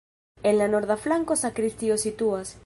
En la norda flanko sakristio situas.